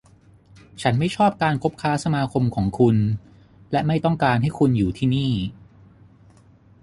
ฉันไม่ชอบการคบค้าสมาคมของคุณ และไม่ต้องการให้คุณอยู่ที่นี่